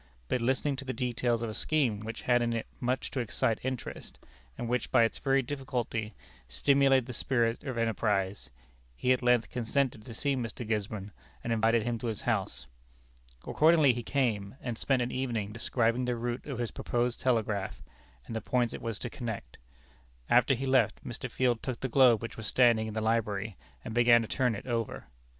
But listening to the details of a scheme which had in it much to excite interest, and which by its very difficulty stimulated the spirit of enterprise, he at length consented to see Mr. Gisborne, and invited him to his house. Accordingly he came, and spent an evening describing the route of his proposed telegraph, and the points it was to connect. After he left, Mr. Field took the globe which was standing in the library, and began to turn it over.